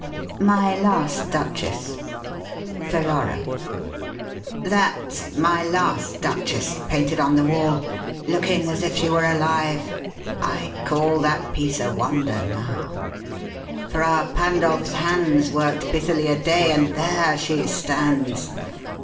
MY LAST DUCHESS PERRARA " That's my last Duchess painted on the wall, Looking as if she were alive. I call That piece a wonder, now: Fra Pandolf's hands Worked busily a day, and there she stands.